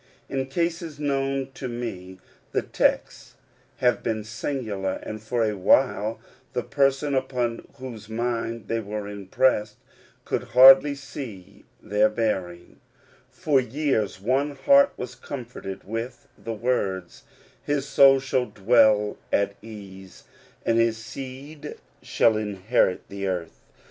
In cases known to me, the texts have been singular, and for a while the person upon whose mind they were impressed could hardly see their bearing. For years one heart was comforted v/ith the words "His soul shall dwell at ease; and his seed shall I lo According to the Promise. inherit the earth."